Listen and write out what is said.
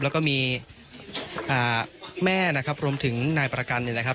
แล้วก็มีแม่นะครับรวมถึงนายประกันเนี่ยนะครับ